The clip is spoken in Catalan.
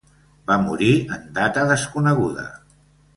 Va morir en data desconeguda.